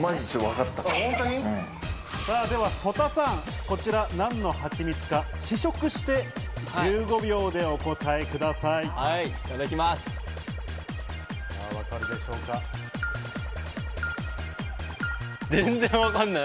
では曽田さん、これは何の蜂蜜か試食して、１５秒でお答えください。